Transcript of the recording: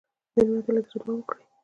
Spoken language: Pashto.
مېلمه ته له زړه دعا وکړئ.